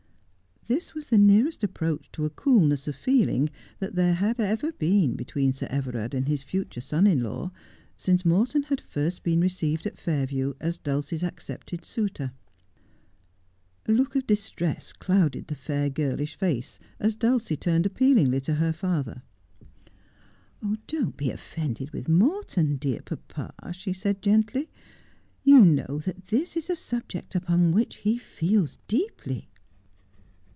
This was the nearest approach to a coolness of feeling that there had ever been between Sir Everard and his future son in law since Morton had first been received at Fairview as Dulcie's accepted suitor. A look of distress clouded the fair girlish face as Dulcie turned appealingly to her father. ' Don't be offended with Morton, dear papa,' she said gently. 'You know that this is a subject upon which he feels deeply.'